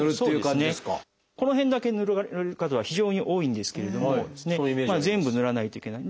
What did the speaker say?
この辺だけぬられる方が非常に多いんですけれども全部ぬらないといけない。